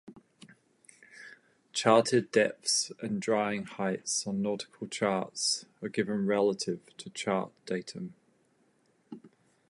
Charted depths and drying heights on nautical charts are given relative to chart datum.